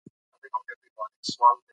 بزګر ته تخم او سره ورکړئ.